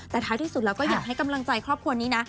แต่ท้ายที่สุดแล้วก็อยากให้กำลังใจครอบครัวนี้นะ